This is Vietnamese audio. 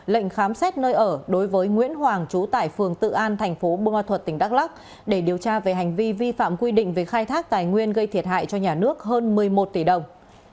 lệnh khám xét nơi ở đối với nguyễn hoàng trú tại phường tự an thành phố bùa thuật tỉnh đắk lắc để điều tra về hành vi vi phạm quy định về khai thác tài nguyên gây thiệt hại cho nhà nước hơn một mươi một tỷ đồng